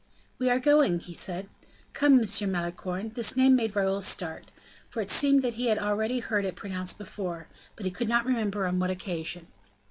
"We are going," said he, "come, M. Malicorne." This name made Raoul start; for it seemed that he had already heard it pronounced before, but he could not remember on what occasion.